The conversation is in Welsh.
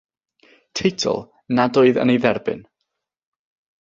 Teitl nad oedd yn ei dderbyn.